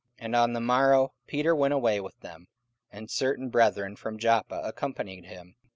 And on the morrow Peter went away with them, and certain brethren from Joppa accompanied him.